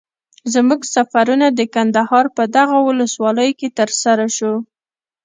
زموږ سفرونه د کندهار په دغو ولسوالیو کي تر سره سو.